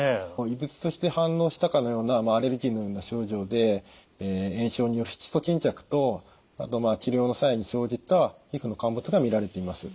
異物として反応したかのようなアレルギーのような症状で炎症による色素沈着とあと治療の際に生じた皮膚の陥没が見られています。